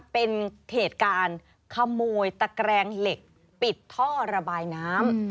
เป็นเหตุการณ์ขโมยตะแกรงเหล็กปิดท่อระบายน้ำ